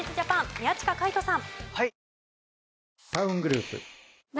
宮近海斗さん。